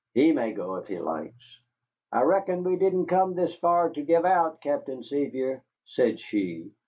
He may go if he likes." "I reckon we didn't come this far to give out, Captain Sevier," said she.